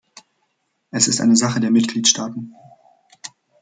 Es ist eine Sache der Mitgliedstaaten.